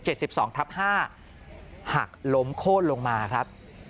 หักลมโค้ดลงมาครับ